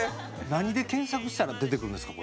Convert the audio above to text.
何で検索したら出てくるんですか？